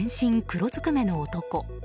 黒ずくめの男。